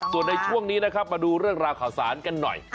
ส่วนในช่วงนี้นะครับมาดูเรื่องราวข่าวสารกันหน่อย